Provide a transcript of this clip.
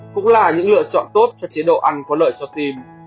cũng là những lựa chọn tốt cho chế độ ăn có lợi cho tim